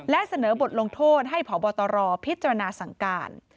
และเสนอบทลงโทษให้พบตรพิจารณาสั่งการ